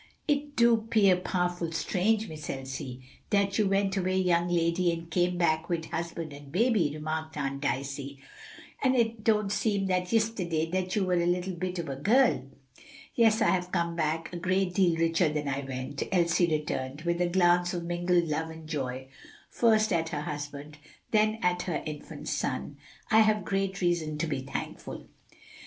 "It do 'pear pow'ful strange, Miss Elsie, dat you went away young lady and come back wid husband and baby," remarked Aunt Dicey. "And it don't seem but yistiday dat you was a little bit ob a gal." "Yes, I have come back a great deal richer than I went," Elsie returned, with a glance of mingled love and joy, first at her husband, then at her infant son. "I have great reason to be thankful."